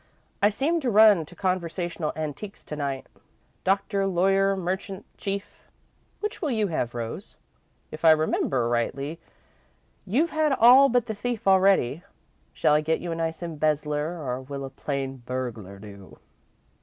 "I seem to run to conversational antiques tonight. 'Doctor, lawyer, merchant, chief ' which will you have, Rose? If I remember rightly, you've had all but the thief already. Shall I get you a nice embezzler, or will a plain burglar do?"